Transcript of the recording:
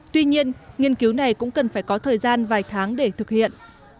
tuy nhiên nghiên cứu này cũng cần phải có thời gian vài tháng để thực hiện